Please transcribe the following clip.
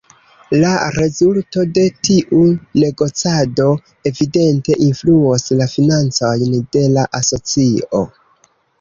La rezulto de tiu negocado evidente influos la financojn de la asocio.